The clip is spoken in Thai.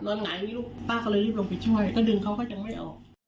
หงายลูกป้าก็เลยรีบลงไปช่วยก็ดึงเขาก็ยังไม่ออก